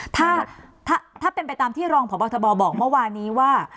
ถ้าเป็นไปตามที่รองพบทบบอกเมื่อวานี้ว่า